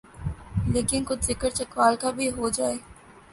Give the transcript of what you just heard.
لیکن کچھ ذکر چکوال کا بھی ہو جائے۔